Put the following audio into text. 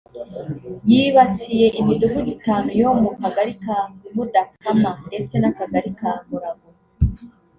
yibasiye imidugudu itanu yo mu kagali ka Mudakama ndetse n’akagali ka Murago